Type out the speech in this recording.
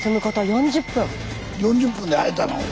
４０分で会えたの？